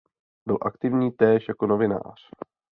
Byl aktivní též jako novinář.